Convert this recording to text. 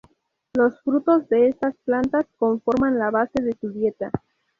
Los frutos de estas plantas conforman la base de su dieta.